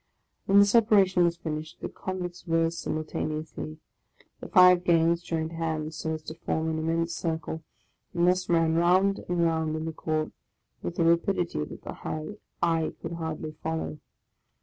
When this operation was finished, the convicts rose simul taneously. The five gangs joined hands, so as to form an immense circle, and thus ran round and round in the court, with a rapidity that the eye could hardly follow.